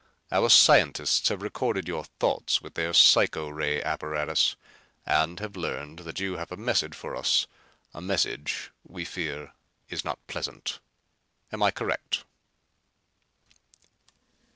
Our scientists have recorded your thoughts with their psycho ray apparatus and have learned that you have a message for us, a message we fear is not pleasant. Am I correct?"